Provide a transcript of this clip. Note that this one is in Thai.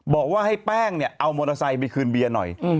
บอกว่าให้แป้งเนี่ยเอามอเตอร์ไซค์ไปคืนเบียร์หน่อย